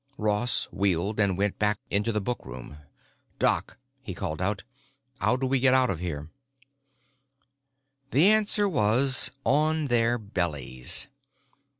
Ross wheeled and went back into the book room. "Doc," he called, "how do we get out of here?" The answer was: on their bellies.